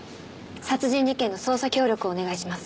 殺人事件の捜査協力をお願いします。